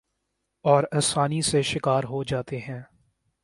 اور آسانی سے شکار ہو جاتے ہیں ۔